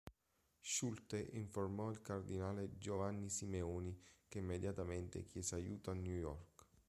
Schulte informò il cardinale Giovanni Simeoni che immediatamente chiese aiuto a New York.